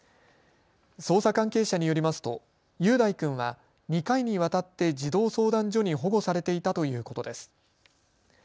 捜査関係者によりますと雄大君は２回にわたって児童相談所に保護されていたということです。